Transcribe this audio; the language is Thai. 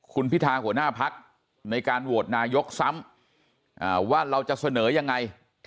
คุณพิธาหัวหน้าพักในการโหวตนายกซ้ำว่าเราจะเสนอยังไง